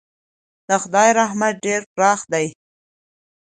د خدای رحمت ډېر پراخه دی.